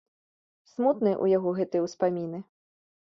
Смутныя ў яго гэтыя ўспаміны.